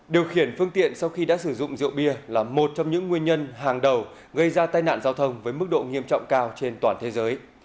điều khiển phương tiện sau khi đã sử dụng rượu bia là một trong những nguyên nhân hàng đầu gây ra tai nạn giao thông với mức độ nghiêm trọng cao trên toàn thế giới